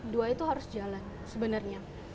dua itu harus jalan sebenarnya